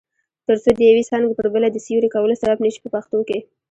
ترڅو د یوې څانګې پر بله د سیوري کولو سبب نشي په پښتو کې.